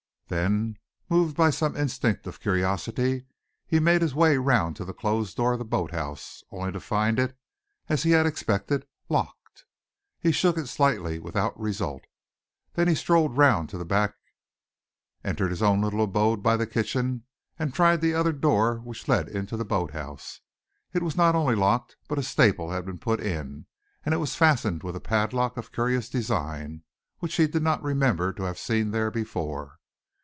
Then, moved by some instinct of curiosity, he made his way round to the closed door of the boat house, only to find it, as he had expected, locked. He shook it slightly, without result. Then he strolled round to the back, entered his own little abode by the kitchen, and tried the other door which led into the boat house. It was not only locked, but a staple had been put in, and it was fastened with a padlock of curious design which he did not remember to have seen there before.